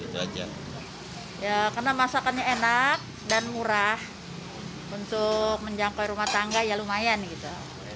karena masakannya enak dan murah untuk menjangkau rumah tangga ya lumayan gitu